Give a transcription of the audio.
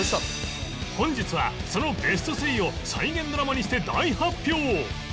本日はそのベスト３を再現ドラマにして大発表！